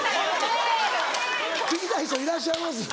聞きたい人いらっしゃいます？